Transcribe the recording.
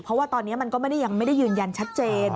เพราะว่าตอนนี้มันก็ไม่ได้ยังไม่ได้ยืนยันชัดเจน